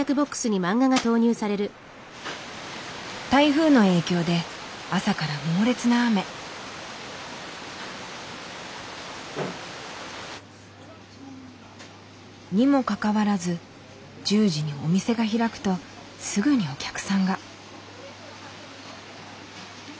台風の影響で朝から猛烈な雨。にもかかわらず１０時にお店が開くとすぐにお客さんが。